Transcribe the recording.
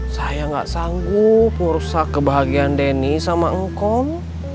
saya gak sanggup merusak kebahagiaan denny sama engkom